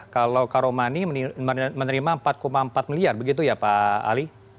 kalau karomani menerima empat empat miliar begitu ya pak ali